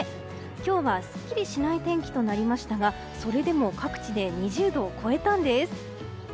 今日はすっきりしない天気となりましたがそれでも各地で２０度を超えたんです。